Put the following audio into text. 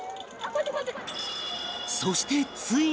そしてついに！